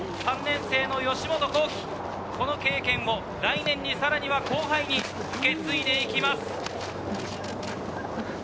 ３年生の吉本光希、この経験を来年に、さらには後輩に受け継いでいきます。